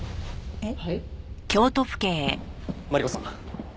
えっ？